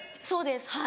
そうです。